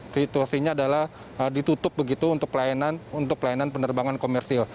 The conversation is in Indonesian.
situasinya adalah ditutup begitu untuk pelayanan penerbangan komersil